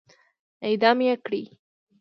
اعدام يې کړئ!